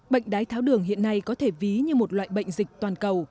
bệnh đái tháo đường hiện nay có thể ví như một loại bệnh dịch toàn cầu